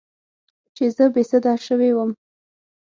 چې زه بې سده شوې وم.